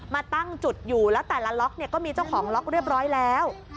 มาตั้งจุดอยู่แล้วแต่ละล็อกเนี่ยก็มีเจ้าของล็อกเรียบร้อยแล้ว